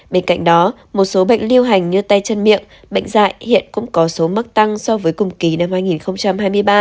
bên cạnh đó một số bệnh liêu hành như tay chân miệng bệnh dạy hiện cũng có số mắc tăng so với cùng kỳ năm hai nghìn hai mươi ba